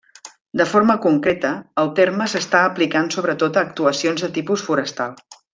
De forma concreta, el terme s’està aplicant sobretot a actuacions de tipus forestal.